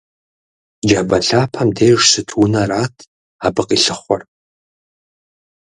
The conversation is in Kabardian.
Джабэ лъапэм деж щыт унэрат абы къилъыхъуэр.